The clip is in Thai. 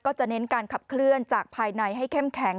จะเน้นการขับเคลื่อนจากภายในให้เข้มแข็ง